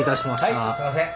はいすいません。